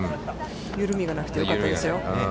緩みがなくてよかったですよ。